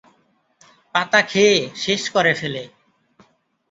পাতা খেয়ে শেষ করে ফেলে।